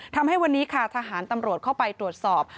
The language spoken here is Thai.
ทำให้วันนี้ค่ะทหารตำรวจเข้าไปตรวจสอบ